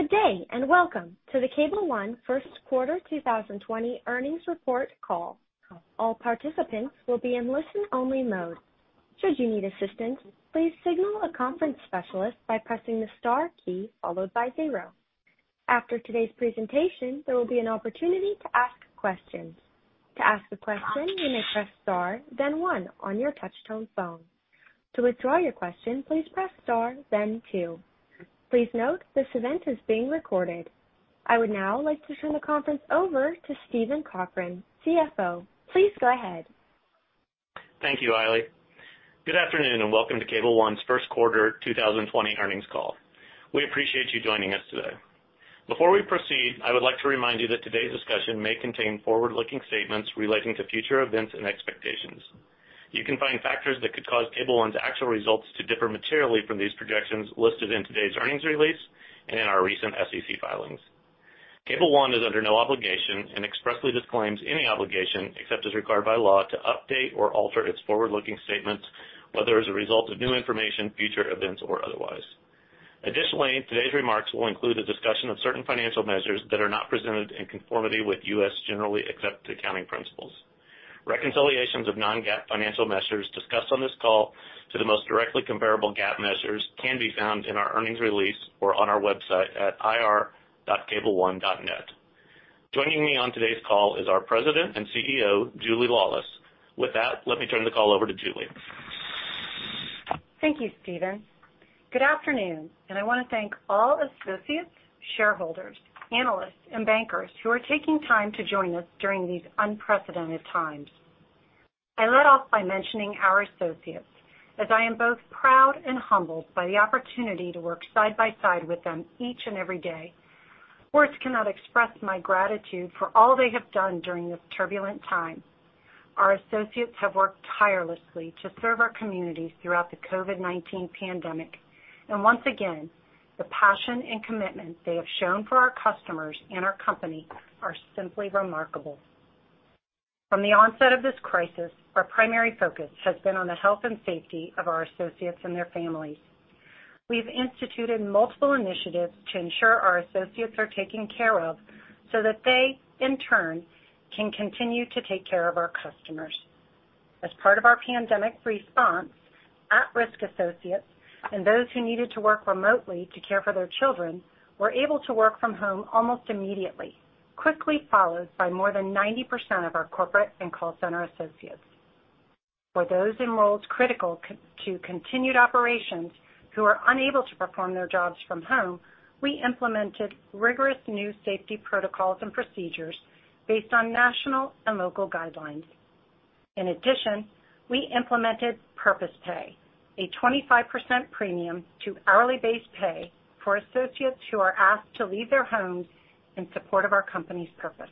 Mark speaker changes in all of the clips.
Speaker 1: Good day, welcome to the Cable One First Quarter 2020 Earnings Report Call. All participants will be in listen only mode. Should you need assistance, please signal a conference specialist by pressing the star key followed by 0. After today's presentation, there will be an opportunity to ask questions. To ask a question, you may press star then 1 on your touch-tone phone. To withdraw your question, please press star then 2. Please note, this event is being recorded. I would now like to turn the conference over to Steven Cochran, CFO. Please go ahead.
Speaker 2: Thank you, Riley. Good afternoon, and welcome to Cable One's first quarter 2020 earnings call. We appreciate you joining us today. Before we proceed, I would like to remind you that today's discussion may contain forward-looking statements relating to future events and expectations. You can find factors that could cause Cable One's actual results to differ materially from these projections listed in today's earnings release and in our recent SEC filings. Cable One is under no obligation and expressly disclaims any obligation, except as required by law, to update or alter its forward-looking statements, whether as a result of new information, future events, or otherwise. Additionally, today's remarks will include a discussion of certain financial measures that are not presented in conformity with U.S. generally accepted accounting principles. Reconciliations of non-GAAP financial measures discussed on this call to the most directly comparable GAAP measures can be found in our earnings release or on our website at ir.cableone.net. Joining me on today's call is our President and CEO, Julia Laulis. With that, let me turn the call over to Julie.
Speaker 3: Thank you, Steven. Good afternoon. I want to thank all associates, shareholders, analysts, and bankers who are taking time to join us during these unprecedented times. I led off by mentioning our associates, as I am both proud and humbled by the opportunity to work side by side with them each and every day. Words cannot express my gratitude for all they have done during this turbulent time. Our associates have worked tirelessly to serve our communities throughout the COVID-19 pandemic, and once again, the passion and commitment they have shown for our customers and our company are simply remarkable. From the onset of this crisis, our primary focus has been on the health and safety of our associates and their families. We've instituted multiple initiatives to ensure our associates are taken care of so that they, in turn, can continue to take care of our customers. As part of our pandemic response, at-risk associates and those who needed to work remotely to care for their children were able to work from home almost immediately, quickly followed by more than 90% of our corporate and call center associates. For those in roles critical to continued operations who are unable to perform their jobs from home, we implemented rigorous new safety protocols and procedures based on national and local guidelines. In addition, we implemented Purpose Pay, a 25% premium to hourly-based pay for associates who are asked to leave their homes in support of our company's purpose.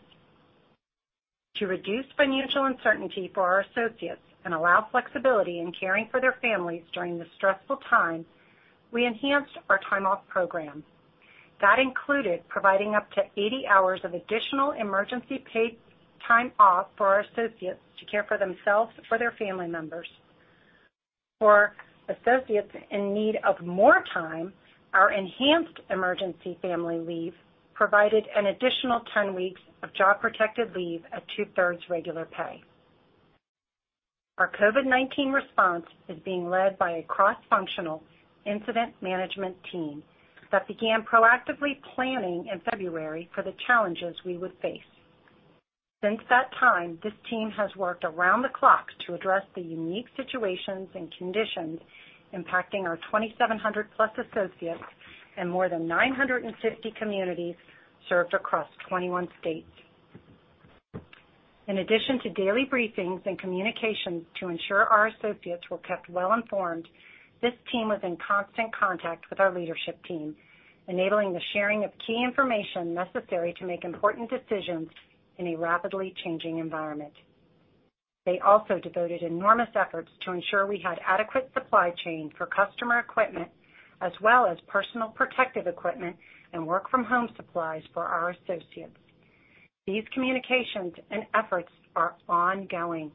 Speaker 3: To reduce financial uncertainty for our associates and allow flexibility in caring for their families during this stressful time, we enhanced our time off program. That included providing up to 80 hours of additional emergency paid time off for our associates to care for themselves or their family members. For associates in need of more time, our enhanced emergency family leave provided an additional 10 weeks of job-protected leave at two-thirds regular pay. Our COVID-19 response is being led by a cross-functional incident management team that began proactively planning in February for the challenges we would face. Since that time, this team has worked around the clock to address the unique situations and conditions impacting our 2,700-plus associates and more than 950 communities served across 21 states. In addition to daily briefings and communications to ensure our associates were kept well-informed, this team was in constant contact with our leadership team, enabling the sharing of key information necessary to make important decisions in a rapidly changing environment. They also devoted enormous efforts to ensure we had adequate supply chain for customer equipment, as well as personal protective equipment and work from home supplies for our associates. These communications and efforts are ongoing.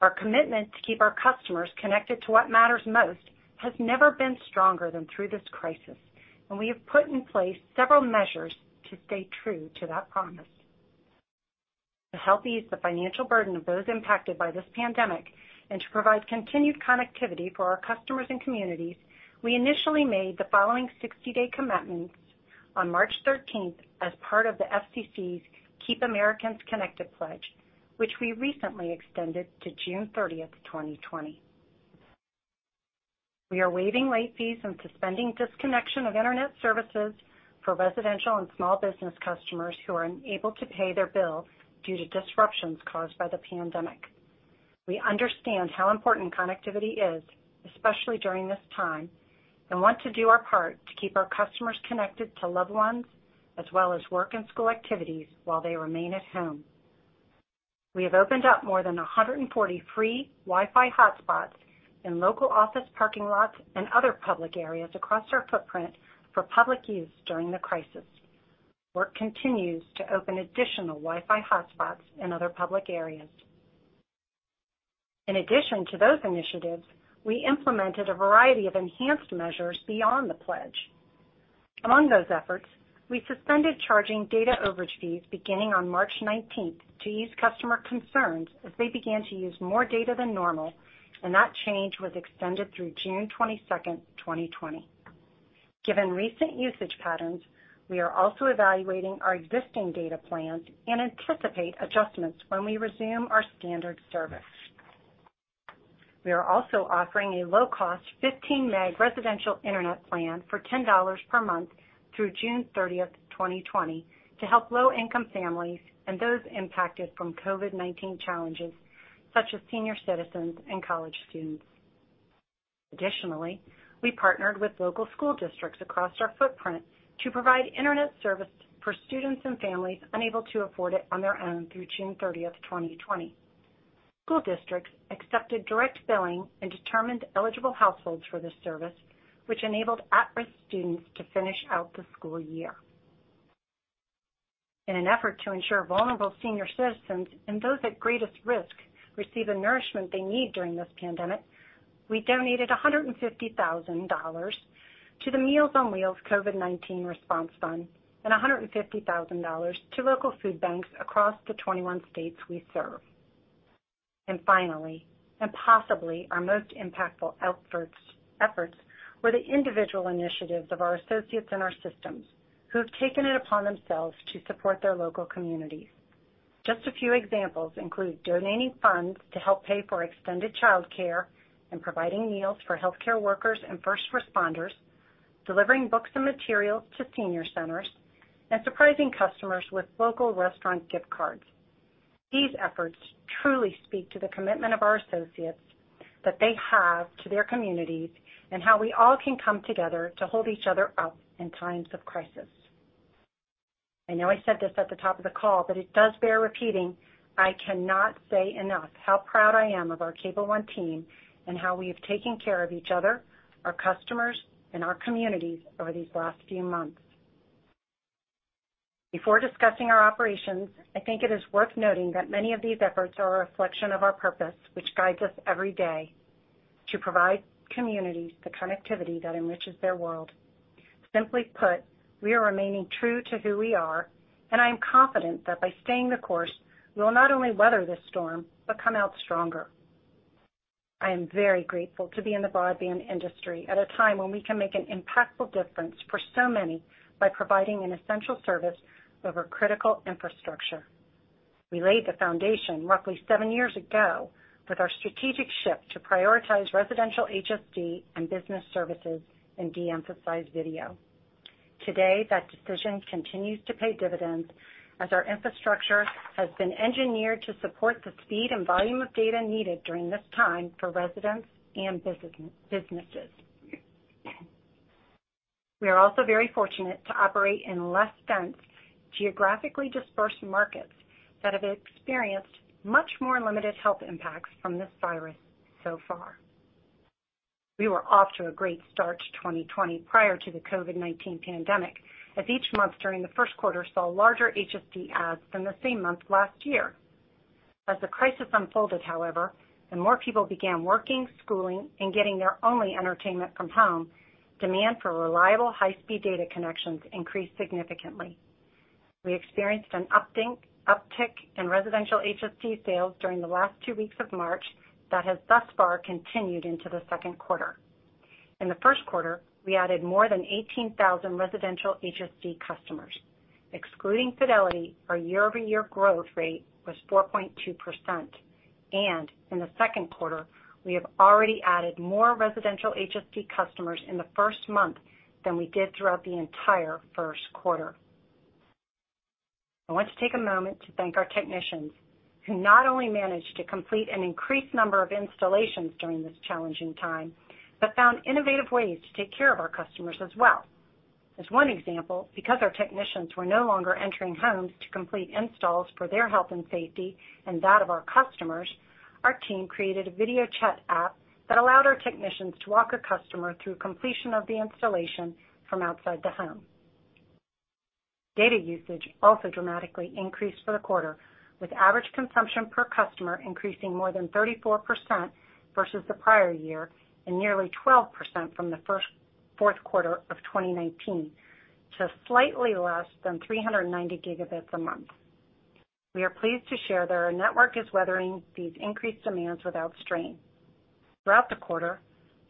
Speaker 3: Our commitment to keep our customers connected to what matters most has never been stronger than through this crisis, and we have put in place several measures to stay true to that promise. To help ease the financial burden of those impacted by this pandemic and to provide continued connectivity for our customers and communities, we initially made the following 60-day commitments on March 13th as part of the FCC's Keep Americans Connected Pledge, which we recently extended to June 30th, 2020. We are waiving late fees and suspending disconnection of internet services for residential and small business customers who are unable to pay their bill due to disruptions caused by the pandemic. We understand how important connectivity is, especially during this time, and want to do our part to keep our customers connected to loved ones, as well as work and school activities while they remain at home. We have opened up more than 140 free Wi-Fi hotspots in local office parking lots and other public areas across our footprint for public use during the crisis. Work continues to open additional Wi-Fi hotspots in other public areas. In addition to those initiatives, we implemented a variety of enhanced measures beyond the Pledge. Among those efforts, we suspended charging data overage fees beginning on March 19th to ease customer concerns as they began to use more data than normal, and that change was extended through June 22nd, 2020. Given recent usage patterns, we are also evaluating our existing data plans and anticipate adjustments when we resume our standard service. We are also offering a low-cost 15-meg residential internet plan for $10 per month through June 30th, 2020 to help low-income families and those impacted from COVID-19 challenges, such as senior citizens and college students. Additionally, we partnered with local school districts across our footprint to provide internet service for students and families unable to afford it on their own through June 30th, 2020. School districts accepted direct billing and determined eligible households for this service, which enabled at-risk students to finish out the school year. In an effort to ensure vulnerable senior citizens and those at greatest risk receive the nourishment they need during this pandemic, we donated $150,000 to the Meals on Wheels COVID-19 response fund and $150,000 to local food banks across the 21 states we serve. Finally, possibly our most impactful efforts were the individual initiatives of our associates in our systems who have taken it upon themselves to support their local communities. Just a few examples include donating funds to help pay for extended childcare and providing meals for healthcare workers and first responders, delivering books and materials to senior centers, and surprising customers with local restaurant gift cards. These efforts truly speak to the commitment of our associates that they have to their communities, and how we all can come together to hold each other up in times of crisis. I know I said this at the top of the call, but it does bear repeating, I cannot say enough how proud I am of our Cable One team and how we have taken care of each other, our customers, and our communities over these last few months. Before discussing our operations, I think it is worth noting that many of these efforts are a reflection of our purpose, which guides us every day, to provide communities the connectivity that enriches their world. Simply put, we are remaining true to who we are, and I am confident that by staying the course, we will not only weather this storm, but come out stronger. I am very grateful to be in the broadband industry at a time when we can make an impactful difference for so many by providing an essential service of a critical infrastructure. We laid the foundation roughly seven years ago with our strategic shift to prioritize residential HSD and business services and de-emphasize video. Today, that decision continues to pay dividends as our infrastructure has been engineered to support the speed and volume of data needed during this time for residents and businesses. We are also very fortunate to operate in less dense, geographically dispersed markets that have experienced much more limited health impacts from this virus so far. We were off to a great start to 2020 prior to the COVID-19 pandemic, as each month during the first quarter saw larger HSD adds than the same month last year. As the crisis unfolded, however, and more people began working, schooling, and getting their only entertainment from home, demand for reliable high-speed data connections increased significantly. We experienced an uptick in residential HSD sales during the last two weeks of March that has thus far continued into the second quarter. In the first quarter, we added more than 18,000 residential HSD customers. Excluding Fidelity, our year-over-year growth rate was 4.2%. In the second quarter, we have already added more residential HSD customers in the first month than we did throughout the entire first quarter. I want to take a moment to thank our technicians, who not only managed to complete an increased number of installations during this challenging time, but found innovative ways to take care of our customers as well. As one example, because our technicians were no longer entering homes to complete installs for their health and safety and that of our customers, our team created a video chat app that allowed our technicians to walk a customer through completion of the installation from outside the home. Data usage also dramatically increased for the quarter, with average consumption per customer increasing more than 34% versus the prior year and nearly 12% from the fourth quarter of 2019 to slightly less than 390 gigabytes a month. We are pleased to share that our network is weathering these increased demands without strain. Throughout the quarter,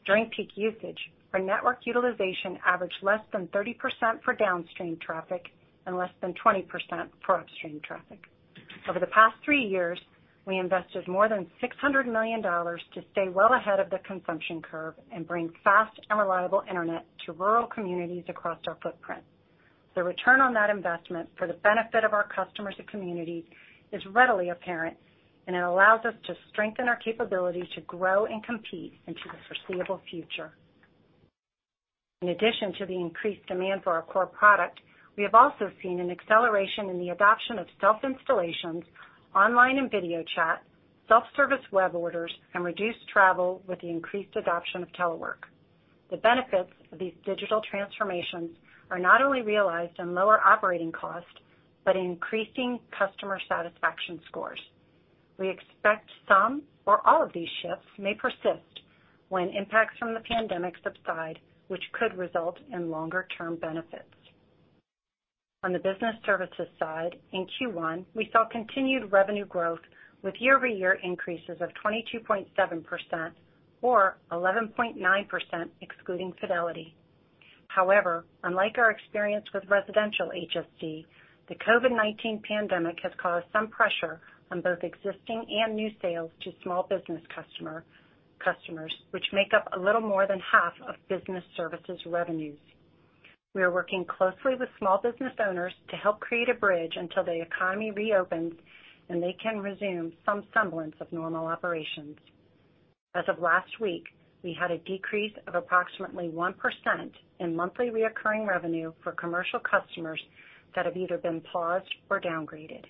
Speaker 3: during peak usage, our network utilization averaged less than 30% for downstream traffic and less than 20% for upstream traffic. Over the past three years, we invested more than $600 million to stay well ahead of the consumption curve and bring fast and reliable internet to rural communities across our footprint. The return on that investment for the benefit of our customers and communities is readily apparent, and it allows us to strengthen our capability to grow and compete into the foreseeable future. In addition to the increased demand for our core product, we have also seen an acceleration in the adoption of self-installations, online and video chat, self-service web orders, and reduced travel with the increased adoption of telework. The benefits of these digital transformations are not only realized in lower operating costs, but in increasing customer satisfaction scores. We expect some or all of these shifts may persist when impacts from the pandemic subside, which could result in longer-term benefits. On the business services side, in Q1, we saw continued revenue growth with year-over-year increases of 22.7% or 11.9% excluding Fidelity. However, unlike our experience with residential HSD, the COVID-19 pandemic has caused some pressure on both existing and new sales to small business customers, which make up a little more than half of business services revenues. We are working closely with small business owners to help create a bridge until the economy reopens and they can resume some semblance of normal operations. As of last week, we had a decrease of approximately 1% in monthly recurring revenue for commercial customers that have either been paused or downgraded.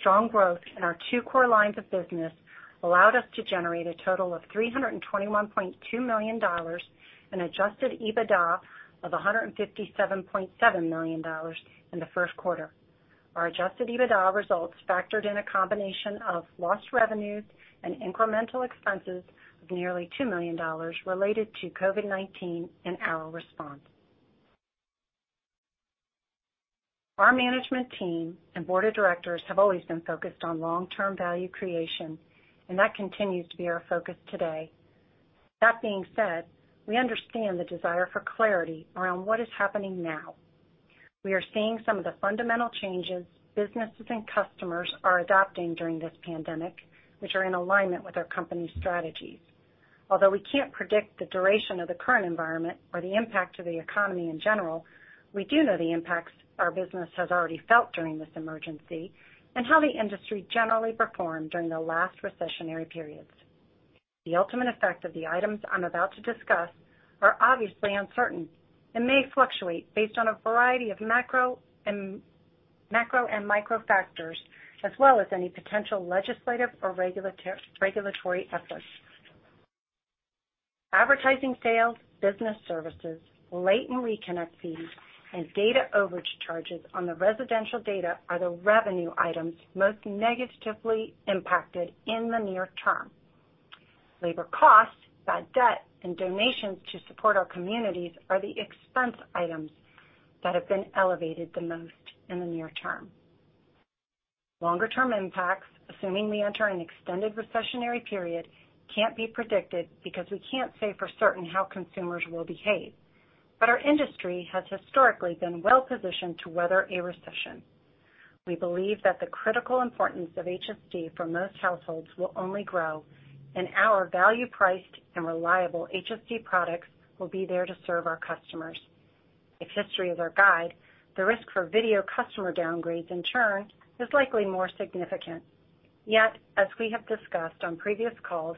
Speaker 3: Strong growth in our two core lines of business allowed us to generate a total of $321.2 million in adjusted EBITDA of $157.7 million in the first quarter. Our adjusted EBITDA results factored in a combination of lost revenues and incremental expenses of nearly $2 million related to COVID-19 and our response. Our management team and board of directors have always been focused on long-term value creation, and that continues to be our focus today. That being said, we understand the desire for clarity around what is happening now. We are seeing some of the fundamental changes businesses and customers are adopting during this pandemic, which are in alignment with our company's strategies. Although we can't predict the duration of the current environment or the impact to the economy in general, we do know the impacts our business has already felt during this emergency and how the industry generally performed during the last recessionary periods. The ultimate effect of the items I'm about to discuss are obviously uncertain and may fluctuate based on a variety of macro and micro factors as well as any potential legislative or regulatory efforts. Advertising sales, business services, late and reconnect fees, and data overage charges on the residential data are the revenue items most negatively impacted in the near term. Labor costs, bad debt, and donations to support our communities are the expense items that have been elevated the most in the near term. Longer term impacts, assuming we enter an extended recessionary period, can't be predicted because we can't say for certain how consumers will behave. Our industry has historically been well-positioned to weather a recession. We believe that the critical importance of HSD for most households will only grow, and our value-priced and reliable HSD products will be there to serve our customers. If history is our guide, the risk for video customer downgrades in turn is likely more significant. Yet, as we have discussed on previous calls,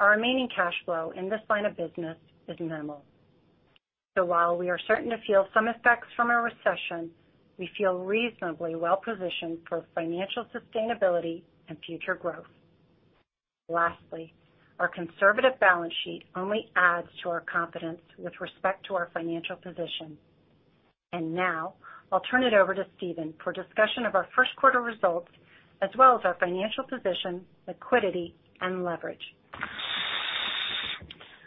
Speaker 3: our remaining cash flow in this line of business is minimal. While we are certain to feel some effects from a recession, we feel reasonably well positioned for financial sustainability and future growth. Lastly, our conservative balance sheet only adds to our confidence with respect to our financial position. Now I'll turn it over to Steven for discussion of our first quarter results as well as our financial position, liquidity and leverage.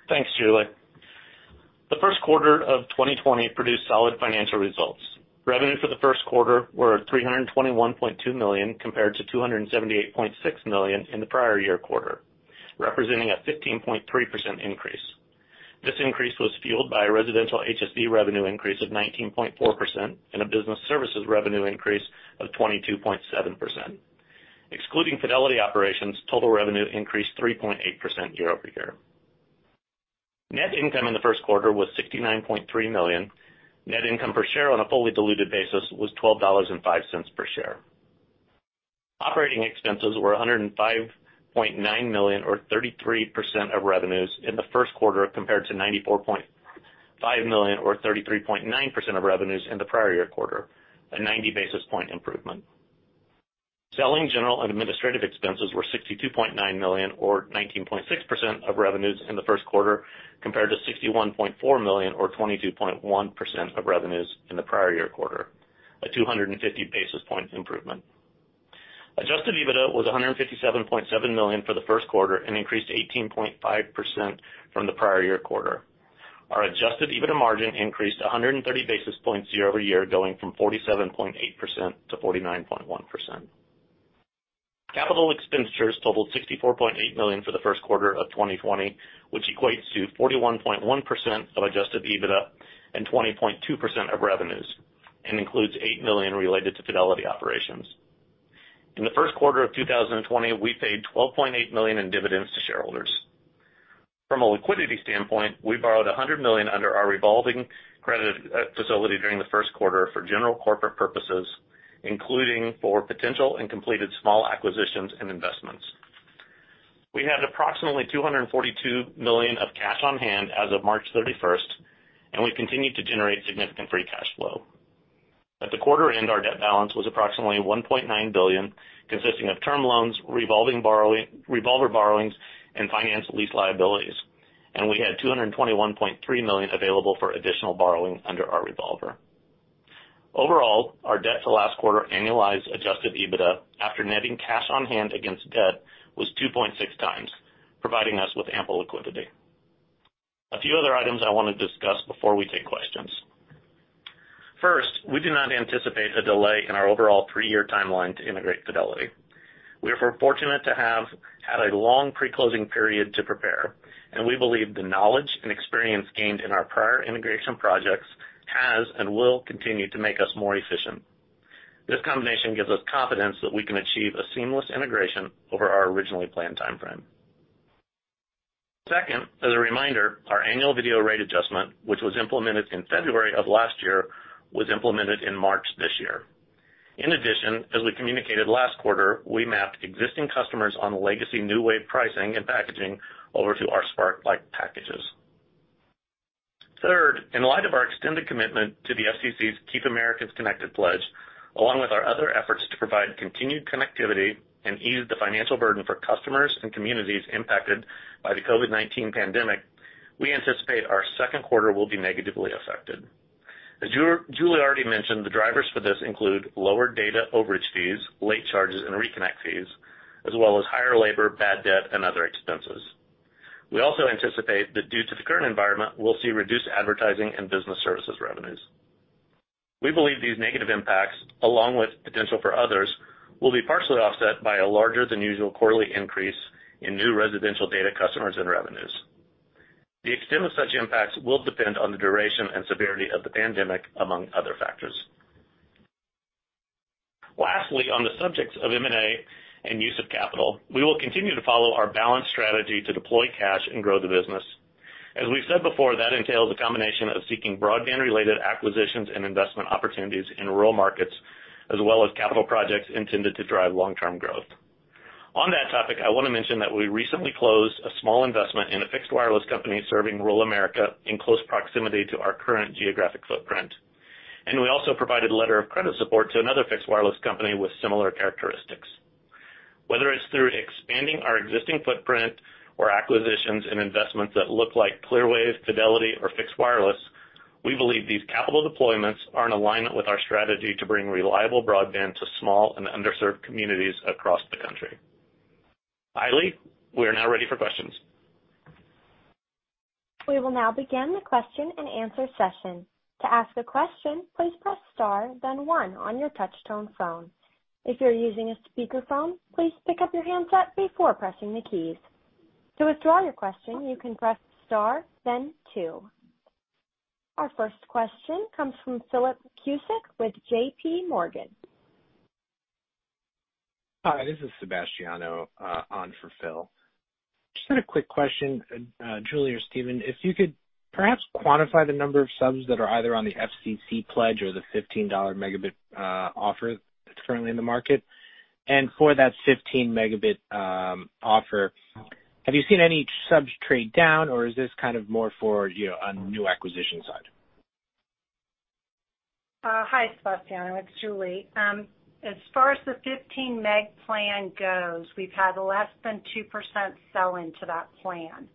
Speaker 2: Thanks, Julie. The first quarter of 2020 produced solid financial results. Revenue for the first quarter were $321.2 million compared to $278.6 million in the prior year quarter, representing a 15.3% increase. This increase was fueled by a residential HSD revenue increase of 19.4% and a business services revenue increase of 22.7%. Excluding Fidelity operations, total revenue increased 3.8% year-over-year. Net income in the first quarter was $69.3 million. Net income per share on a fully diluted basis was $12.05 per share. Operating expenses were $105.9 million or 33% of revenues in the first quarter compared to $94.5 million or 33.9% of revenues in the prior year quarter, a 90 basis point improvement. Selling general and administrative expenses were $62.9 million or 19.6% of revenues in the first quarter, compared to $61.4 million or 22.1% of revenues in the prior year quarter, a 250 basis point improvement. Adjusted EBITDA was $157.7 million for the first quarter and increased 18.5% from the prior year quarter. Our adjusted EBITDA margin increased 130 basis points year-over-year, going from 47.8%-49.1%. Capital expenditures totaled $64.8 million for the first quarter of 2020, which equates to 41.1% of adjusted EBITDA and 20.2% of revenues and includes $8 million related to Fidelity operations. In the first quarter of 2020, we paid $12.8 million in dividends to shareholders. From a liquidity standpoint, we borrowed $100 million under our revolving credit facility during the first quarter for general corporate purposes, including for potential and completed small acquisitions and investments. We had approximately $242 million of cash on hand as of March 31st, and we continued to generate significant free cash flow. At the quarter end, our debt balance was approximately $1.9 billion, consisting of term loans, revolver borrowings, and finance lease liabilities. We had $221.3 million available for additional borrowing under our revolver. Overall, our debt to last quarter annualized adjusted EBITDA, after netting cash on hand against debt, was 2.6x, providing us with ample liquidity. A few other items I want to discuss before we take questions. First, we do not anticipate a delay in our overall three-year timeline to integrate Fidelity. We are fortunate to have had a long pre-closing period to prepare, and we believe the knowledge and experience gained in our prior integration projects has and will continue to make us more efficient. This combination gives us confidence that we can achieve a seamless integration over our originally planned timeframe. Second, as a reminder, our annual video rate adjustment, which was implemented in February of last year, was implemented in March this year. In addition, as we communicated last quarter, we mapped existing customers on legacy NewWave pricing and packaging over to our Sparklight packages. Third, in light of our extended commitment to the FCC's Keep Americans Connected Pledge, along with our other efforts to provide continued connectivity and ease the financial burden for customers and communities impacted by the COVID-19 pandemic, we anticipate our second quarter will be negatively affected. As Julie already mentioned, the drivers for this include lower data overage fees, late charges, and reconnect fees, as well as higher labor, bad debt, and other expenses. We also anticipate that due to the current environment, we'll see reduced advertising and business services revenues. We believe these negative impacts, along with potential for others, will be partially offset by a larger than usual quarterly increase in new residential data customers and revenues. The extent of such impacts will depend on the duration and severity of the pandemic, among other factors. Lastly, on the subjects of M&A and use of capital, we will continue to follow our balanced strategy to deploy cash and grow the business. As we've said before, that entails a combination of seeking broadband-related acquisitions and investment opportunities in rural markets, as well as capital projects intended to drive long-term growth. On that topic, I want to mention that we recently closed a small investment in a fixed wireless company serving rural America in close proximity to our current geographic footprint. We also provided letter of credit support to another fixed wireless company with similar characteristics. Whether it's through expanding our existing footprint or acquisitions and investments that look like Clearwave, Fidelity, or fixed wireless, we believe these capital deployments are in alignment with our strategy to bring reliable broadband to small and underserved communities across the country. Finally, we are now ready for questions.
Speaker 1: We will now begin the question and answer session. Our first question comes from Philip Cusick with J.P. Morgan.
Speaker 4: Hi, this is Sebastiano on for Phil. Just had a quick question, Julie or Steven, if you could perhaps quantify the number of subs that are either on the FCC pledge or the $15 megabit offer that's currently in the market. For that 15 mb offer, have you seen any subs trade down, or is this kind of more for on new acquisition side?
Speaker 3: Hi, Sebastiano. It's Julie. As far as the 15 meg plan goes, we've had less than 2% sell into that plan.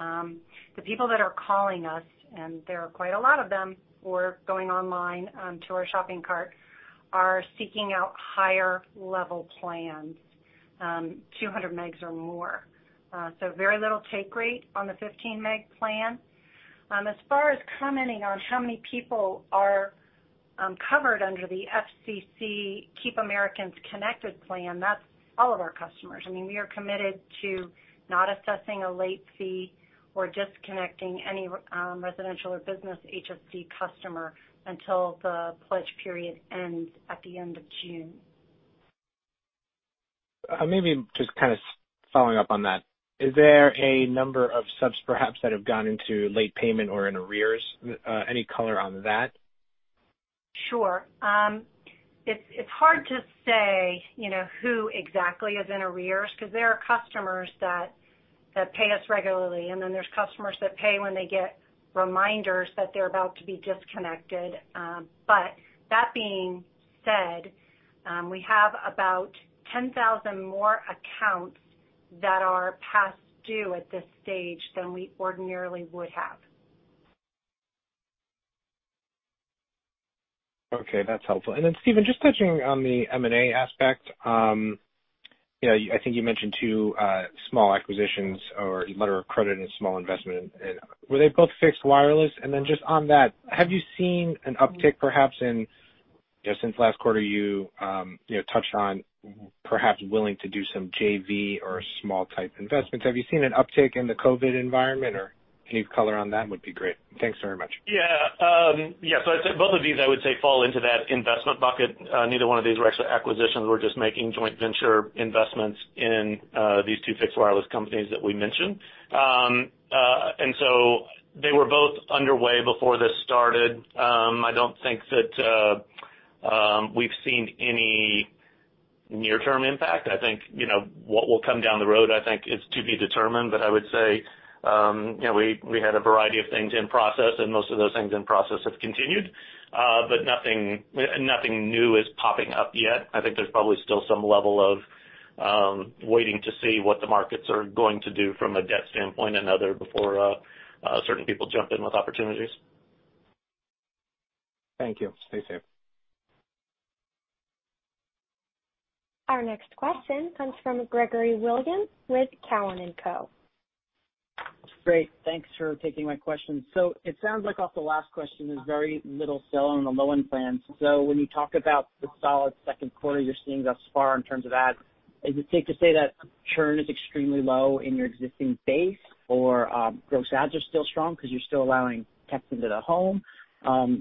Speaker 3: The people that are calling us, and there are quite a lot of them, or going online to our shopping cart, are seeking out higher level plans, 200 megs or more. Very little take rate on the 15 meg plan. As far as commenting on how many people are covered under the FCC Keep Americans Connected plan, that's all of our customers. I mean, we are committed to not assessing a late fee or disconnecting any residential or business HSD customer until the pledge period ends at the end of June.
Speaker 4: Maybe just kind of following up on that. Is there a number of subs perhaps that have gone into late payment or in arrears? Any color on that?
Speaker 3: Sure. It's hard to say who exactly is in arrears because there are customers that pay us regularly, and then there's customers that pay when they get reminders that they're about to be disconnected. That being said, we have about 10,000 more accounts that are past due at this stage than we ordinarily would have.
Speaker 4: Okay, that's helpful. Steven, just touching on the M&A aspect. I think you mentioned two small acquisitions or letter of credit and small investment. Were they both fixed wireless? Just on that, have you seen an uptick perhaps in, since last quarter you touched on perhaps willing to do some JV or small type investments. Have you seen an uptick in the COVID-19 environment or any color on that would be great. Thanks very much.
Speaker 2: Yeah. Both of these, I would say, fall into that investment bucket. Neither one of these were actually acquisitions. We're just making joint venture investments in these two fixed wireless companies that we mentioned. They were both underway before this started. I don't think that we've seen any near-term impact, I think what will come down the road, I think is to be determined. I would say, we had a variety of things in process, and most of those things in process have continued. Nothing new is popping up yet. I think there's probably still some level of waiting to see what the markets are going to do from a debt standpoint and other before certain people jump in with opportunities.
Speaker 4: Thank you. Stay safe.
Speaker 1: Our next question comes from Gregory Williams with Cowen and Co.
Speaker 5: Great. Thanks for taking my questions. It sounds like off the last question, there's very little sell on the low-end plans. When you talk about the solid second quarter you're seeing thus far in terms of that, is it safe to say that churn is extremely low in your existing base or gross adds are still strong because you're still allowing techs into the home?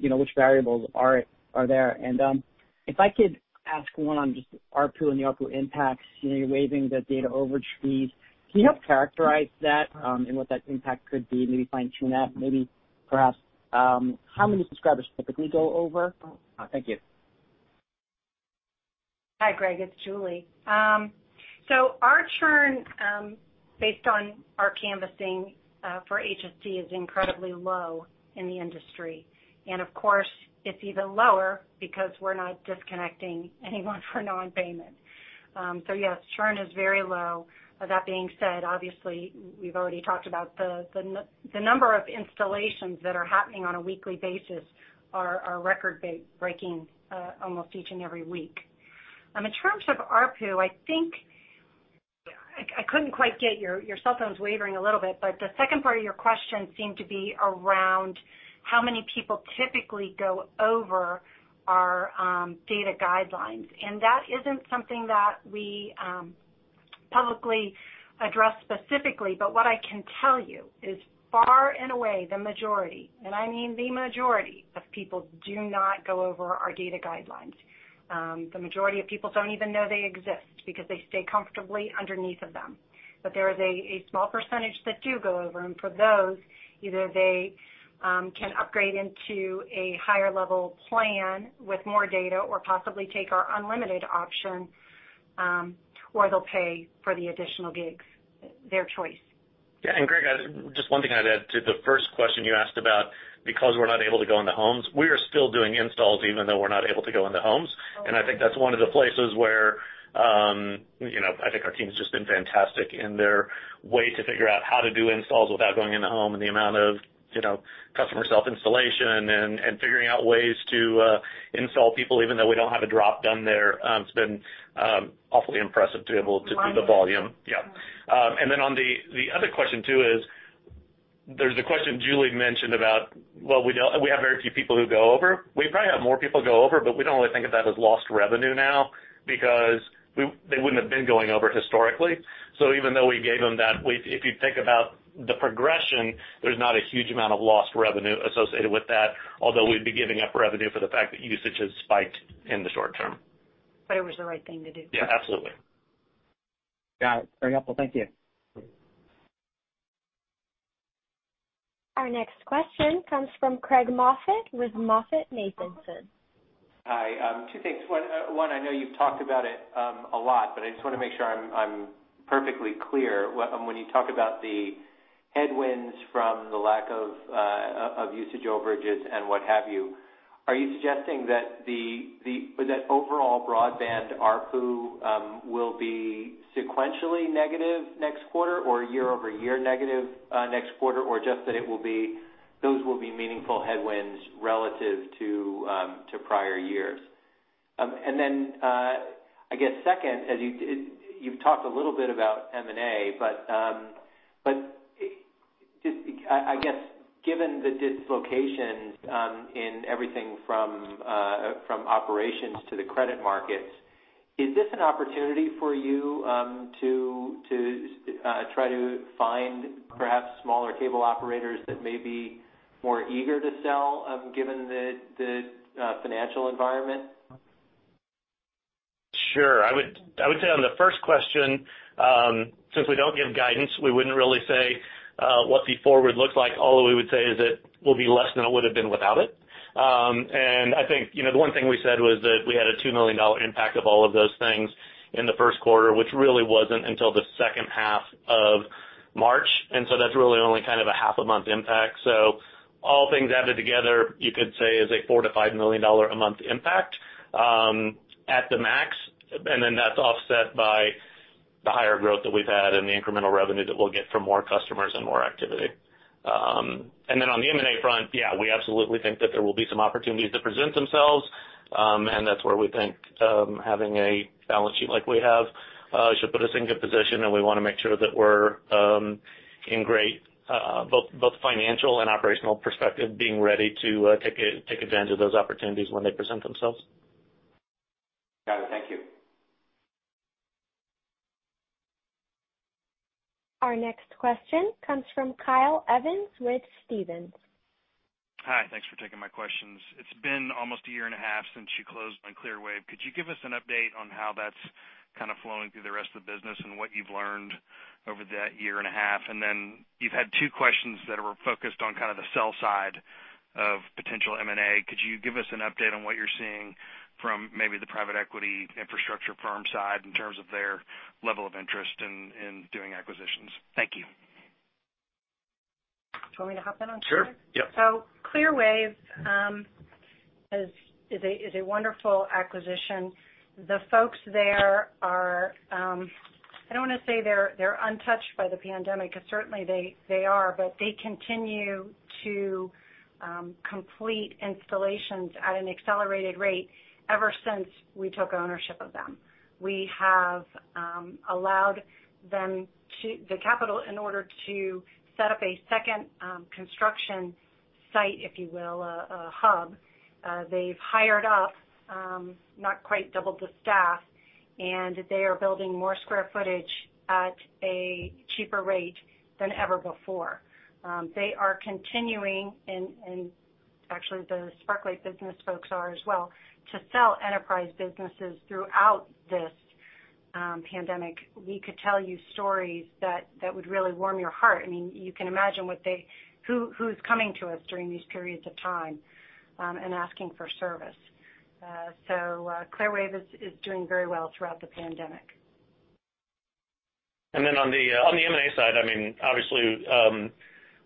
Speaker 5: Which variables are there? If I could ask one on just ARPU and the ARPU impacts, you're waiving the data overage fees. Can you help characterize that, and what that impact could be, maybe fine-tune that? Maybe perhaps, how many subscribers typically go over? Thank you.
Speaker 3: Hi, Greg. It's Julie. Our churn, based on our canvassing for HSD, is incredibly low in the industry. Of course, it's even lower because we're not disconnecting anyone for non-payment. Yes, churn is very low. That being said, obviously, we've already talked about the number of installations that are happening on a weekly basis are record-breaking almost each and every week. In terms of ARPU, I think I couldn't quite get, your cell phone's wavering a little bit, but the second part of your question seemed to be around how many people typically go over our data guidelines. That isn't something that we publicly address specifically, but what I can tell you is far and away the majority, and I mean the majority of people do not go over our data guidelines. The majority of people don't even know they exist because they stay comfortably underneath of them. There is a small percentage that do go over, and for those, either they can upgrade into a higher level plan with more data or possibly take our unlimited option, or they'll pay for the additional gigs. Their choice.
Speaker 2: Yeah. Greg, just one thing I'd add to the first question you asked about, because we're not able to go into homes, we are still doing installs even though we're not able to go into homes. I think that's one of the places where I think our team's just been fantastic in their way to figure out how to do installs without going in the home and the amount of customer self-installation and figuring out ways to install people even though we don't have a drop down there. It's been awfully impressive to be able to do the volume.
Speaker 5: Volume.
Speaker 2: Then on the other question, too, is there's the question Julie mentioned about, well, we have very few people who go over. We probably have more people go over, but we don't really think of that as lost revenue now because they wouldn't have been going over historically. Even though we gave them that, if you think about the progression, there's not a huge amount of lost revenue associated with that, although we'd be giving up revenue for the fact that usage has spiked in the short term.
Speaker 3: It was the right thing to do.
Speaker 2: Yeah, absolutely.
Speaker 5: Got it. Very helpful. Thank you.
Speaker 1: Our next question comes from Craig Moffett with MoffettNathanson.
Speaker 6: Hi. Two things. One, I know you've talked about it a lot, but I just want to make sure I'm perfectly clear when you talk about the headwinds from the lack of usage overages and what have you. Are you suggesting that overall broadband ARPU will be sequentially negative next quarter or year-over-year negative next quarter, or just that those will be meaningful headwinds relative to prior years? Then I guess second, as you've talked a little bit about M&A, but I guess given the dislocations in everything from operations to the credit markets, is this an opportunity for you to try to find perhaps smaller cable operators that may be more eager to sell given the financial environment?
Speaker 2: Sure. I would say on the first question, since we don't give guidance, we wouldn't really say what the forward looks like. All we would say is it will be less than it would have been without it. I think the one thing we said was that we had a $2 million impact of all of those things in the first quarter, which really wasn't until the second half of March. That's really only kind of a half a month impact. All things added together, you could say is a $4 million-$5 million a month impact at the max, that's offset by the higher growth that we've had and the incremental revenue that we'll get from more customers and more activity. On the M&A front, yeah, we absolutely think that there will be some opportunities that present themselves. That's where we think having a balance sheet like we have should put us in good position, and we want to make sure that we're in great both financial and operational perspective, being ready to take advantage of those opportunities when they present themselves.
Speaker 6: Got it. Thank you.
Speaker 1: Our next question comes from Kyle Evans with Stephens.
Speaker 7: Hi. Thanks for taking my questions. It's been almost a year and a half since you closed on Clearwave. Could you give us an update on how that's kind of flowing through the rest of the business and what you've learned over that year and a half? You've had two questions that are focused on kind of the sell side of potential M&A. Could you give us an update on what you're seeing from maybe the private equity infrastructure firm side in terms of their level of interest in doing acquisitions? Thank you.
Speaker 3: Do you want me to hop in on that?
Speaker 2: Sure.
Speaker 3: Clearwave is a wonderful acquisition. The folks there are I don't want to say they're untouched by the pandemic, because certainly they are, but they continue to complete installations at an accelerated rate ever since we took ownership of them. We have allowed them the capital in order to set up a second construction site, if you will, a hub. They've hired up not quite doubled the staff, and they are building more square footage at a cheaper rate than ever before. They are continuing and actually the Sparklight business folks are as well, to sell enterprise businesses throughout this pandemic. We could tell you stories that would really warm your heart. You can imagine who's coming to us during these periods of time, and asking for service. Clearwave is doing very well throughout the pandemic.
Speaker 2: On the M&A side, obviously,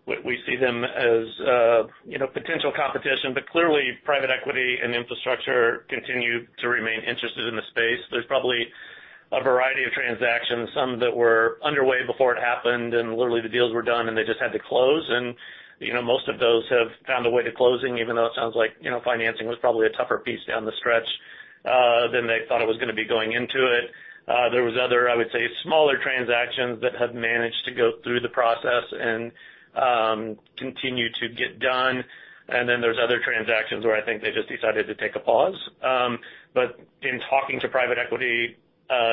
Speaker 2: we see them as potential competition, but clearly private equity and infrastructure continue to remain interested in the space. There's probably a variety of transactions, some that were underway before it happened and literally the deals were done and they just had to close. Most of those have found a way to closing, even though it sounds like financing was probably a tougher piece down the stretch than they thought it was going to be going into it. There was other, I would say, smaller transactions that have managed to go through the process and continue to get done. Then there's other transactions where I think they just decided to take a pause. In talking to private equity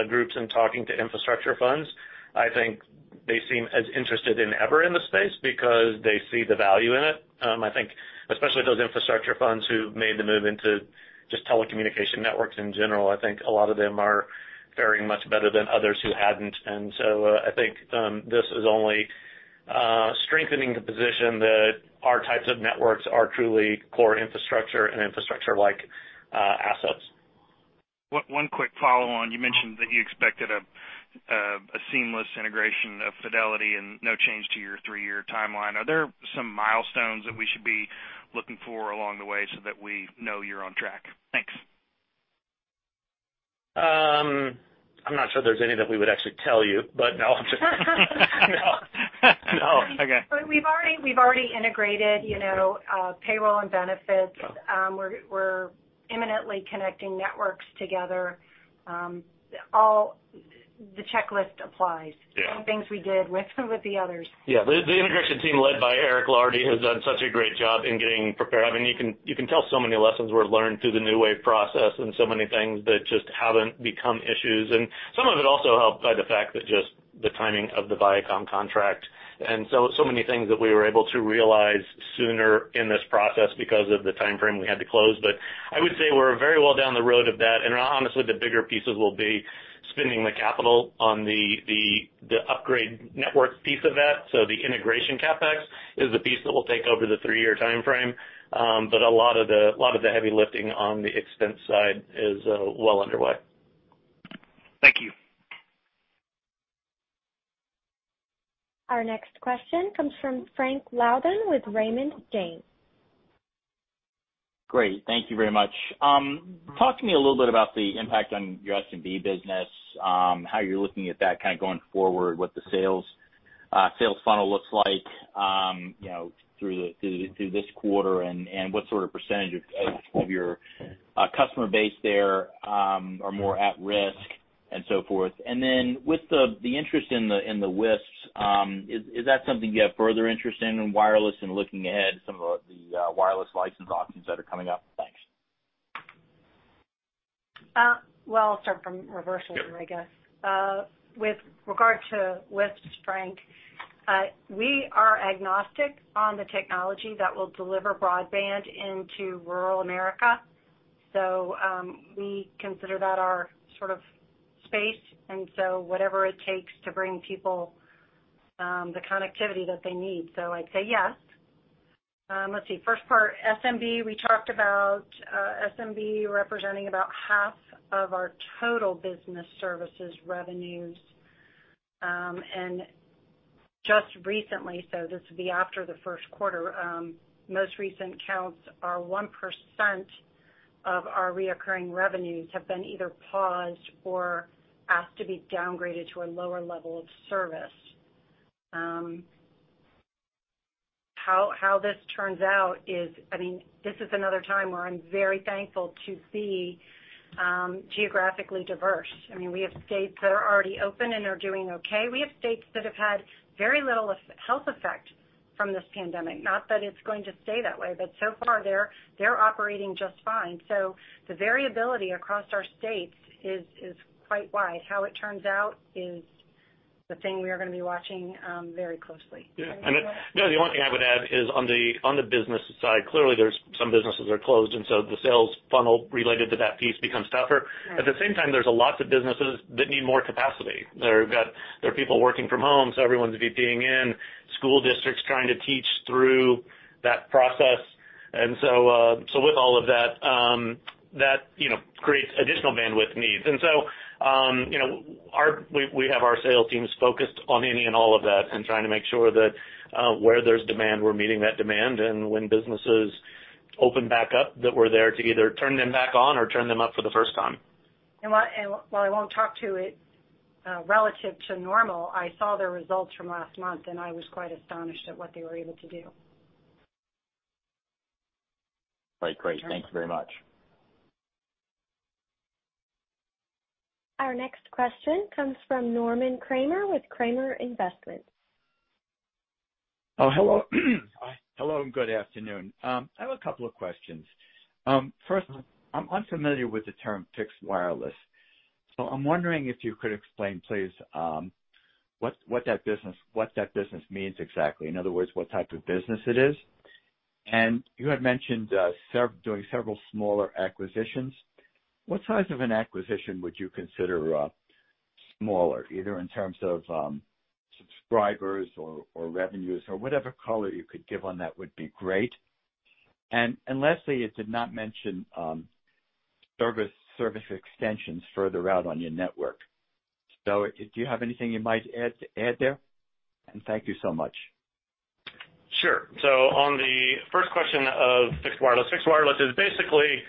Speaker 2: groups and talking to infrastructure funds, I think they seem as interested in ever in the space because they see the value in it. I think especially those infrastructure funds who've made the move into just telecommunication networks in general, I think a lot of them are faring much better than others who hadn't. So I think this is only strengthening the position that our types of networks are truly core infrastructure and infrastructure-like assets.
Speaker 7: One quick follow-on. You mentioned that you expected a seamless integration of Fidelity and no change to your three-year timeline. Are there some milestones that we should be looking for along the way so that we know you're on track? Thanks.
Speaker 2: I'm not sure there's any that we would actually tell you, but no, I'm just kidding.
Speaker 7: No. Okay.
Speaker 3: We've already integrated payroll and benefits. We're imminently connecting networks together. The checklist applies.
Speaker 2: Yeah.
Speaker 3: Same things we did with the others.
Speaker 2: Yeah. The integration team led by Eric Lardy has done such a great job in getting prepared. You can tell so many lessons were learned through the NewWave Communications process and so many things that just haven't become issues. Some of it also helped by the fact that just the timing of the Viacom contract and so many things that we were able to realize sooner in this process because of the timeframe we had to close. I would say we're very well down the road of that. Honestly, the bigger pieces will be spending the capital on the upgrade network piece of that. The integration CapEx is the piece that will take over the three-year timeframe. A lot of the heavy lifting on the expense side is well underway.
Speaker 7: Thank you.
Speaker 1: Our next question comes from Frank Louthan with Raymond James.
Speaker 8: Great. Thank you very much. Talk to me a little bit about the impact on your SMB business, how you're looking at that going forward, what the sales funnel looks like through this quarter, and what percentage of your customer base there are more at risk, and so forth. With the interest in the WISPs, is that something you have further interest in wireless and looking ahead some of the wireless license auctions that are coming up? Thanks.
Speaker 3: Well, I'll start from reverse order, I guess. With regard to WISPs, Frank, we are agnostic on the technology that will deliver broadband into rural America. We consider that our sort of space, and so whatever it takes to bring people the connectivity that they need. I'd say yes. Let's see. First part, SMB, we talked about SMB representing about half of our total business services revenues. Just recently, so this would be after the first quarter, most recent counts are 1% of our recurring revenues have been either paused or asked to be downgraded to a lower level of service. How this turns out is, this is another time where I'm very thankful to be geographically diverse. We have states that are already open and are doing okay. We have states that have had very little health effect from this pandemic. Not that it's going to stay that way, so far, they're operating just fine. The variability across our states is quite wide. How it turns out is the thing we are going to be watching very closely.
Speaker 2: Yeah. The only thing I would add is on the business side, clearly Some businesses are closed, and so the sales funnel related to that piece becomes tougher.
Speaker 3: Yeah.
Speaker 2: At the same time, there's lots of businesses that need more capacity. There are people working from home, so everyone's VPN-ing in. School districts trying to teach through that process. With all of that creates additional bandwidth needs. We have our sales teams focused on any and all of that and trying to make sure that where there's demand, we're meeting that demand, and when businesses open back up, that we're there to either turn them back on or turn them up for the first time.
Speaker 3: While I won't talk to it relative to normal, I saw the results from last month, and I was quite astonished at what they were able to do.
Speaker 8: Right. Great. Thank you very much.
Speaker 1: Our next question comes from Norman Kramer with Kramer Investments.
Speaker 9: Oh, hello. Hello, and good afternoon. I have a couple of questions. First, I'm unfamiliar with the term fixed wireless. I'm wondering if you could explain, please, what that business means exactly. In other words, what type of business it is. You had mentioned doing several smaller acquisitions. What size of an acquisition would you consider smaller, either in terms of subscribers or revenues or whatever color you could give on that would be great. Lastly, it did not mention service extensions further out on your network. Do you have anything you might add there? Thank you so much.
Speaker 2: On the first question of fixed wireless, fixed wireless is basically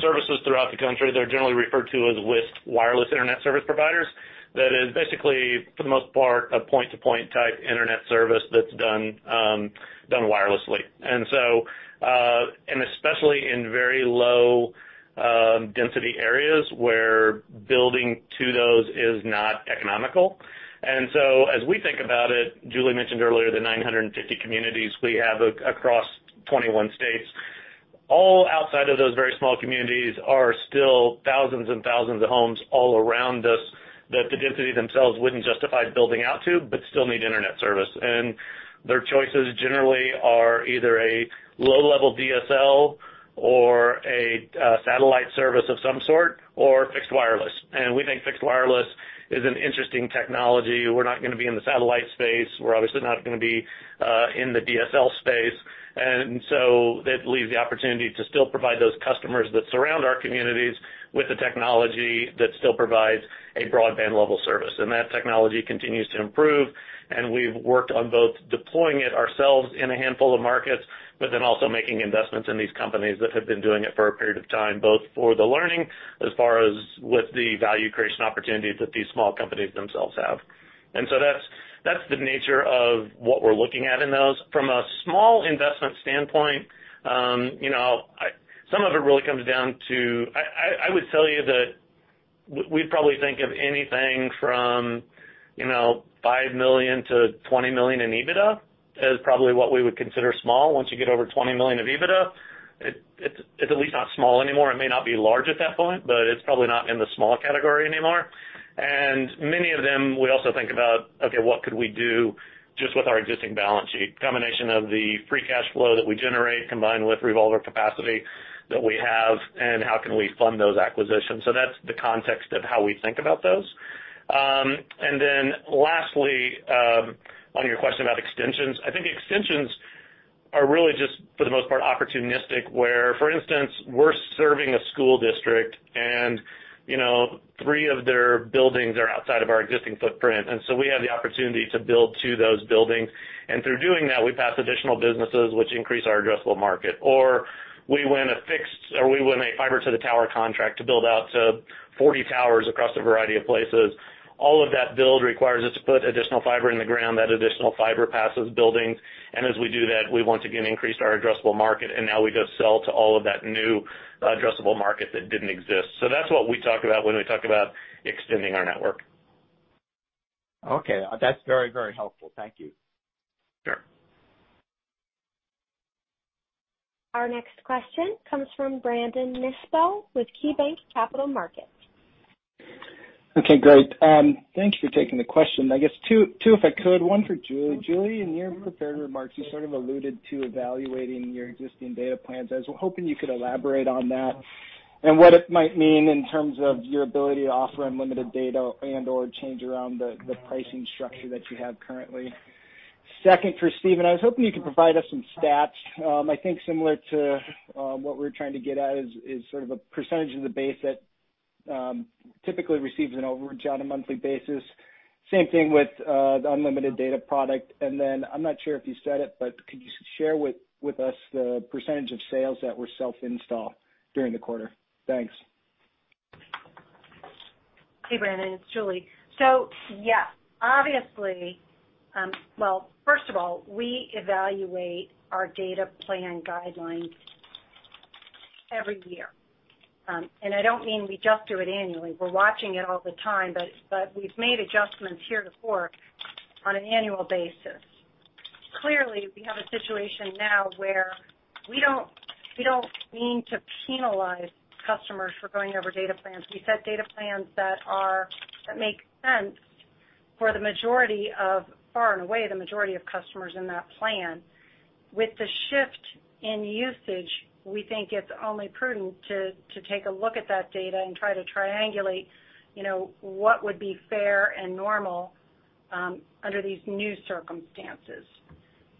Speaker 2: services throughout the country that are generally referred to as WISP, Wireless Internet Service Providers. That is basically, for the most part, a point-to-point type internet service that's done wirelessly. Especially in very low-density areas where building to those is not economical. As we think about it, Julie mentioned earlier the 950 communities we have across 21 states. All outside of those very small communities are still thousands and thousands of homes all around us that the density themselves wouldn't justify building out to but still need internet service. Their choices generally are either a low-level DSL or a satellite service of some sort, or fixed wireless. We think fixed wireless is an interesting technology. We're not going to be in the satellite space. We're obviously not going to be in the DSL space. That leaves the opportunity to still provide those customers that surround our communities with the technology that still provides a broadband-level service. That technology continues to improve, and we've worked on both deploying it ourselves in a handful of markets, but then also making investments in these companies that have been doing it for a period of time, both for the learning as far as with the value creation opportunities that these small companies themselves have. That's the nature of what we're looking at in those. From a small investment standpoint, some of it really comes down to I would tell you that we probably think of anything from $5 million - $20 million in EBITDA as probably what we would consider small. Once you get over $20 million of EBITDA, it's at least not small anymore. It may not be large at that point, but it's probably not in the small category anymore. Many of them, we also think about, okay, what could we do just with our existing balance sheet, combination of the free cash flow that we generate, combined with revolver capacity that we have, and how can we fund those acquisitions? That's the context of how we think about those. Then lastly, on your question about extensions, I think extensions are really just, for the most part, opportunistic, where, for instance, we're serving a school district and three of their buildings are outside of our existing footprint. We have the opportunity to build to those buildings. Through doing that, we pass additional businesses which increase our addressable market. We win a fiber to the tower contract to build out to 40 towers across a variety of places. All of that build requires us to put additional fiber in the ground. That additional fiber passes buildings. As we do that, we once again increased our addressable market, and now we go sell to all of that new addressable market that didn't exist. That's what we talk about when we talk about extending our network.
Speaker 9: Okay. That's very, very helpful. Thank you.
Speaker 1: Our next question comes from Brandon Nispel with KeyBanc Capital Markets.
Speaker 10: Okay, great. Thank you for taking the question. I guess two, if I could, one for Julia. Julia, in your prepared remarks, you sort of alluded to evaluating your existing data plans. I was hoping you could elaborate on that and what it might mean in terms of your ability to offer unlimited data and/or change around the pricing structure that you have currently. Second, for Steven, I was hoping you could provide us some stats. I think similar to what we're trying to get at is a percentage of the base that typically receives an overage on a monthly basis. Same thing with the unlimited data product. I'm not sure if you said it, but could you share with us the percentage of sales that were self-install during the quarter? Thanks.
Speaker 3: Hey, Brandon. It's Julie. Well, first of all, we evaluate our data plan guidelines every year. I don't mean we just do it annually. We're watching it all the time, but we've made adjustments heretofore on an annual basis. Clearly, we have a situation now where we don't mean to penalize customers for going over data plans. We set data plans that make sense for the majority of, far and away, the majority of customers in that plan. With the shift in usage, we think it's only prudent to take a look at that data and try to triangulate what would be fair and normal under these new circumstances.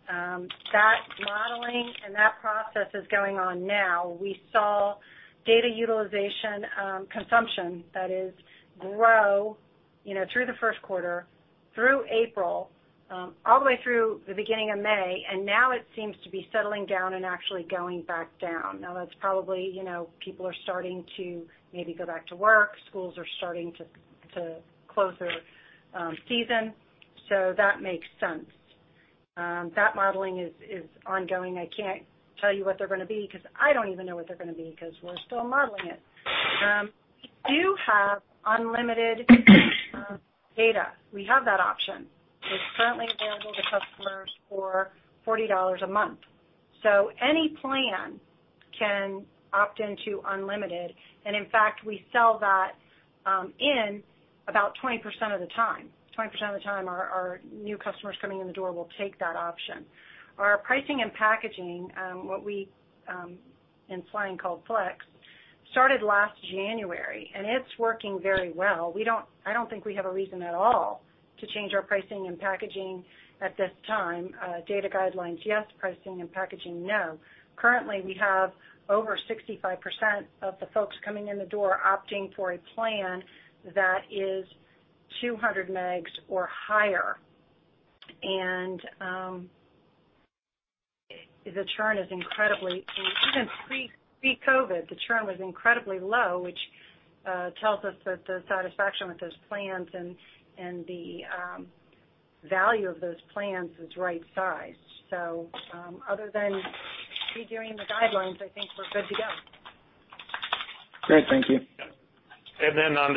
Speaker 3: That modeling and that process is going on now. We saw data utilization consumption, that is, grow through the first quarter, through April, all the way through the beginning of May, and now it seems to be settling down and actually going back down. That's probably people are starting to maybe go back to work. Schools are starting to close their season. That makes sense. That modeling is ongoing. I can't tell you what they're going to be because I don't even know what they're going to be because we're still modeling it. We do have unlimited data. We have that option, which is currently available to customers for $40 a month. Any plan can opt into unlimited, and in fact, we sell that in about 20% of the time. 20% of the time, our new customers coming in the door will take that option. Our pricing and packaging, what we in slang call FlexConnect, started last January. It's working very well. I don't think we have a reason at all to change our pricing and packaging at this time. Data guidelines, yes. Pricing and packaging, no. Currently, we have over 65% of the folks coming in the door opting for a plan that is 200 megs or higher. The churn is incredibly, even pre-COVID, the churn was incredibly low, which tells us that the satisfaction with those plans and the value of those plans is right sized. Other than reviewing the guidelines, I think we're good to go.
Speaker 10: Great. Thank you.
Speaker 2: On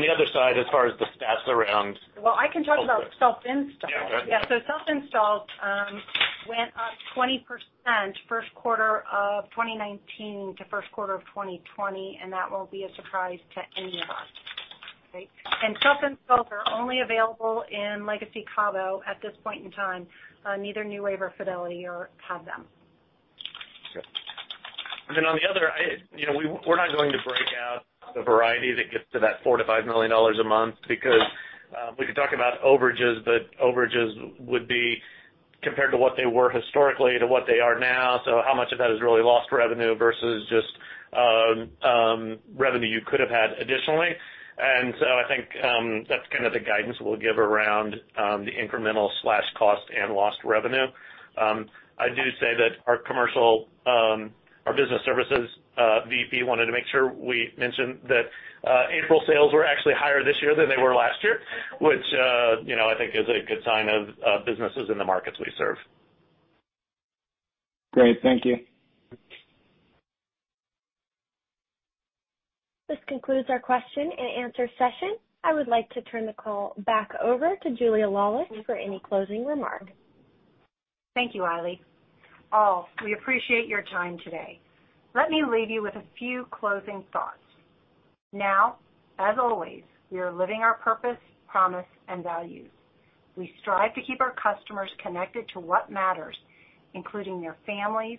Speaker 2: the other side, as far as the stats around.
Speaker 3: Well, I can talk about self-install.
Speaker 2: Yeah, go ahead.
Speaker 3: Yeah. Self-install went up 20% first quarter of 2019 to first quarter of 2020. That won't be a surprise to any of us. Okay. Self-installs are only available in legacy Cable One at this point in time. Neither NewWave or Fidelity have them.
Speaker 2: Then on the other, we're not going to break out the variety that gets to that $4 million-$5 million a month because we could talk about overages, but overages would be compared to what they were historically to what they are now. How much of that is really lost revenue versus just revenue you could have had additionally. I think that's kind of the guidance we'll give around the incremental cost and lost revenue. I do say that our commercial, our business services VP wanted to make sure we mentioned that April sales were actually higher this year than they were last year, which I think is a good sign of businesses in the markets we serve.
Speaker 10: Great. Thank you.
Speaker 1: This concludes our question and answer session. I would like to turn the call back over to Julia Laulis for any closing remarks.
Speaker 3: Thank you, Riley. All, we appreciate your time today. Let me leave you with a few closing thoughts. As always, we are living our purpose, promise, and values. We strive to keep our customers connected to what matters, including their families,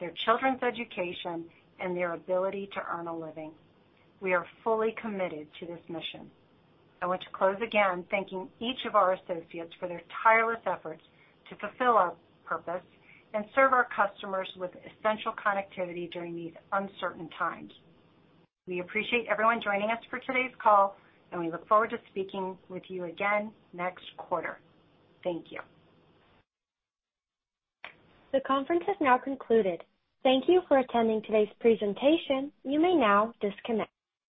Speaker 3: their children's education, and their ability to earn a living. We are fully committed to this mission. I want to close again, thanking each of our associates for their tireless efforts to fulfill our purpose and serve our customers with essential connectivity during these uncertain times. We appreciate everyone joining us for today's call, and we look forward to speaking with you again next quarter. Thank you.
Speaker 1: The conference has now concluded. Thank you for attending today's presentation. You may now disconnect.